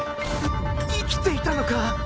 生きていたのか！